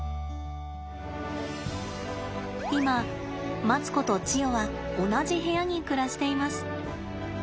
今マツコとチヨは同じ部屋に暮らしています。